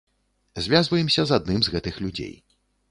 Звязваемся з адным з гэтых людзей.